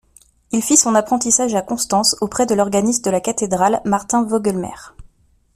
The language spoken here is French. Il fit son apprentissage à Constance auprès de l'organiste de la cathédrale, Martin Vogelmair.